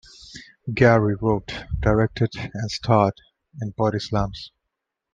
Gary wrote, directed and starred in Bodyslams!